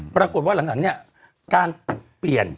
ปรากฏว่าหลังเนี่ยการเปลี่ยน